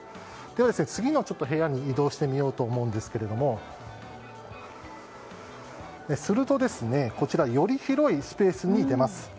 次の部屋に移動してみようと思うんですがより広いスペースに出ます。